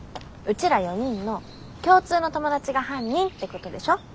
うちら４人の共通の友達が犯人ってことでしょ。